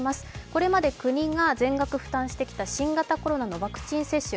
これまで国賀全額負担してきた新型コロナのワクチン接種。